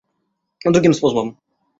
Но другим способом!